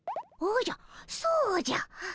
おじゃそうじゃ。